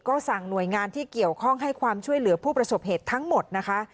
ก็สั่งหน่วยงานที่เกี่ยวข้องให้ความช่วยเหลือผู้ประสบเหตุทั้งหมดนะคะ